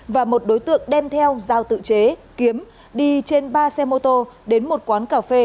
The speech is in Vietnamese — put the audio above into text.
và một đối tượng đem theo giao tự chế kiếm đi trên ba xe mô tô đến một quán cà phê